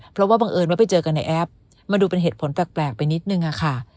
เพราะว่าบังเอิญว่าไปเจอกันในแอปมันดูเป็นเหตุผลแปลกไปนิดนึงอะค่ะ